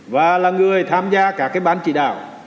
và là người tham gia cả cái ban chỉ đạo